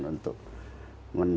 dari situ kaya itu mem listadi